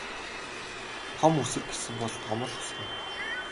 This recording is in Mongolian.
Том үсэр гэсэн бол том л үсэрнэ.